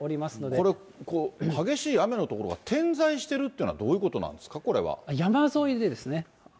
これ、激しい雨の所が点在してるっていうのは、どういうことなんですか山沿いでですね。